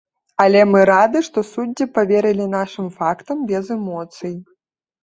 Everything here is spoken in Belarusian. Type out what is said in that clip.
Але мы рады, што суддзі паверылі нашым фактам без эмоцый.